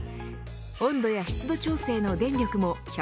温度や湿度調整の電力も１００％